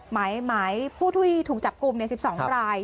หมายผู้ที่ถูกจับกลุ่ม๑๒ราย